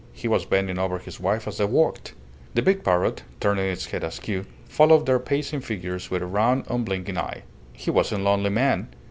He was bending over his wife as they walked. The big parrot, turning its head askew, followed their pacing figures with a round, unblinking eye. "He was a lonely man.